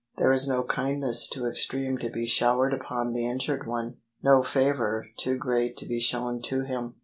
There is no kindness too extreme to be showered upon the injured one — no favour too great to be shown to him.